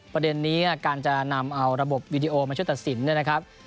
ประเด็นนี้การจะนำเอาระบบวิดีโอมาช่วยตัดสินเนี่ยนะครับ